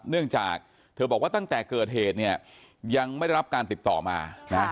เนื่องจากเธอบอกว่าตั้งแต่เกิดเหตุเนี่ยยังไม่ได้รับการติดต่อมานะ